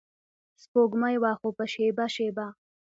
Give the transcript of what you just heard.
سپوږمۍ وه خو په شیبه شیبه